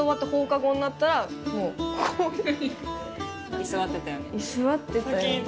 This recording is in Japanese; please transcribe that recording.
居座ってたよ。